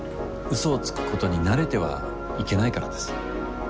嘘をつくことに慣れてはいけないからです。